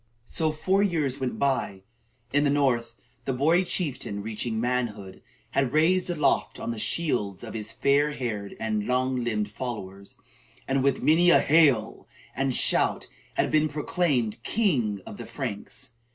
So four more years went by. In the north, the boy chieftain, reaching manhood, had been raised aloft on the shields of his fair haired and long limbed followers, and with many a "hael!" and shout had been proclaimed "King of the Franks."